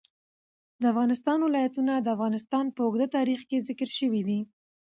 د افغانستان ولايتونه د افغانستان په اوږده تاریخ کې ذکر شوی دی.